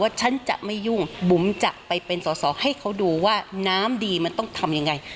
ฉันจะไม่ยุ่งบุ๋มจะไปเป็นสอสอให้เขาดูว่าน้ำดีมันต้องทำยังไง